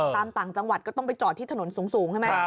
ต่างจังหวัดก็ต้องไปจอดที่ถนนสูงใช่ไหม